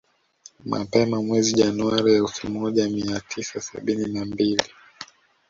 Mapema mwezi Januari elfu moja mia tisa sabini na mbili